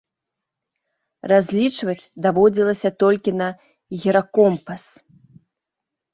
Разлічваць даводзілася толькі на гіракомпас.